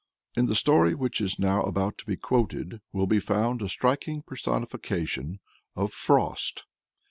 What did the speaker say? In the story which is now about to be quoted will be found a striking personification of Frost.